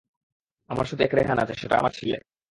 আমার শুধু এক রেহান আছে, সেটা আমার ছেলে।